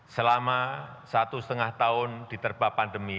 selama satu setengah tahun diterba pandemi